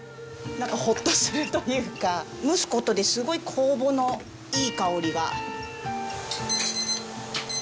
なんかホッとするというか蒸す事ですごい酵母のいい香りが。